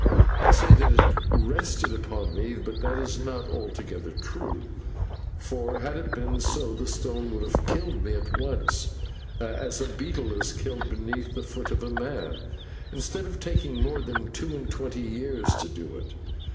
I say that it rested upon me, but this is not altogether true, for, had it been so, that stone would have killed me at once, as a beetle is killed beneath the foot of a man, instead of taking more than two and twenty years to do it.